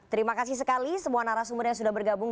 terima kasih sekali semua narasumber yang sudah bergabung